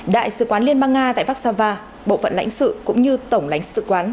đại sứ quán liên bang nga tại vassava bộ phận lãnh sự cũng như tổng lãnh sự quán